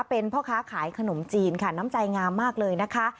เป็นพ่อค้าขายขนมจีนค่ะน้ำใจงามมากเลยนะคะ